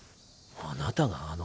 あなたがあの。